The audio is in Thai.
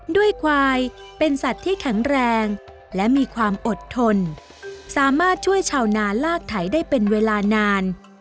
ด้วยควายเป็นสัตว์ที่แข็งแรงและมีความอดทนสามารถช่วยชาวนาลากไถได้เป็นเวลานาน